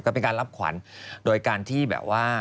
ก็เป็นการรับขวัญโดยการที่แบบว่า